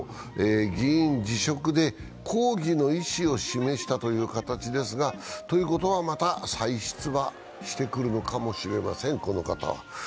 議員辞職で抗議の意思を示したという形ですが、ということはまた、再出馬してくるのかもしれません、この方。